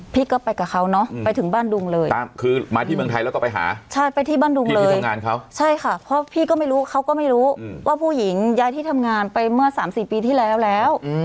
พี่ก็ไปกับเขาเนอะไปถึงบ้านดุงเลยคือมาที่เมืองไทยแล้วก็ไปหาใช่ไปที่บ้านดุงเลยไปทำงานเขาใช่ค่ะเพราะพี่ก็ไม่รู้เขาก็ไม่รู้ว่าผู้หญิงย้ายที่ทำงานไปเมื่อสามสี่ปีที่แล้วแล้ว